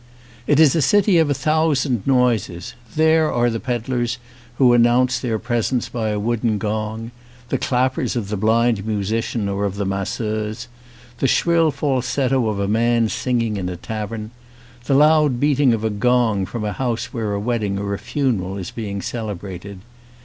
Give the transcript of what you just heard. It is a city of a thousand noises. There are the peddlers who announce their presence by a wooden gong ; the clappers of the blind musician or of the masseuse ; the shrill falsetto of a man sing ing in a tavern ; the loud beating of a gong from a house where a wedding or a funeral is being celebrated.